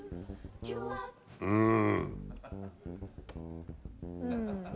うん。